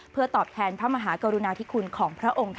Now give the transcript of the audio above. เพื่อตอบแทนพระมหากรุณาธิคุณของพระองค์